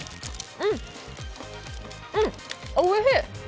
うん、おいしい。